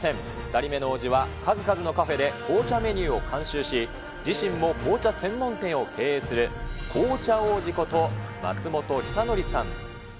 ２人目の王子は、数々のカフェで紅茶メニューを監修し、自身も紅茶専門店を経営する紅茶王子こと、松本久範さん。